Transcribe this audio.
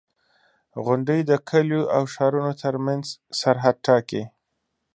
• غونډۍ د کليو او ښارونو ترمنځ سرحد ټاکي.